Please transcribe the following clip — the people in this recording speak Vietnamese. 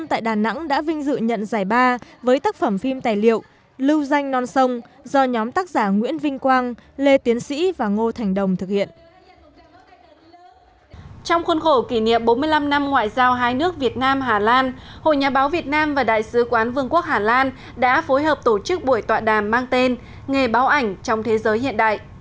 trong bốn mươi năm năm ngoại giao hai nước việt nam hà lan hội nhà báo việt nam và đại sứ quán vương quốc hà lan đã phối hợp tổ chức buổi tọa đàm mang tên nghề báo ảnh trong thế giới hiện đại